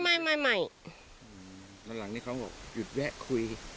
ไม่ไม่หลังนี้เขาบอกหยุดแวะคุย